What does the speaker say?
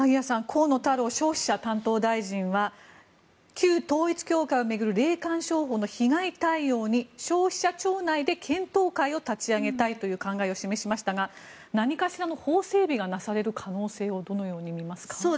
河野太郎消費者担当大臣は旧統一教会を巡る霊感商法の被害対応に消費者庁内で検討会を立ち上げたいという考えを示しましたが何かしらの法整備がなされる可能性をどのように見ますか。